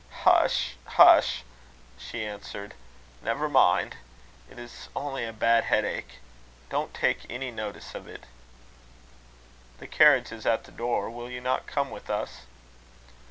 "Hush! hush!" she answered. "Never mind. It is only a bad headache. Don't take any notice of it." "The carriage is at the door. Will you not come with us?"